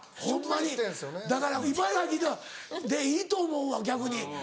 にだから「いばらぎ」でいいと思うわ逆に。